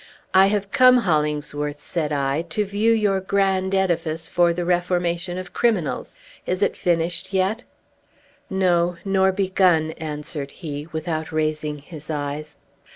"I have come, Hollingsworth," said I, "to view your grand edifice for the reformation of criminals. Is it finished yet?" "No, nor begun," answered he, without raising his eyes.